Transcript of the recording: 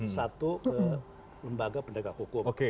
satu ke lembaga pendegak hukum